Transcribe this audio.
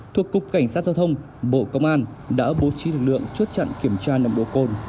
thuộc cục cảnh sát giao thông bộ công an đã bố trí lực lượng chốt chặn kiểm tra nồng độ cồn